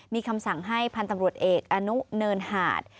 มีคำสั่งให้พันธุ์ตำรวจเอกอนุเนินหาด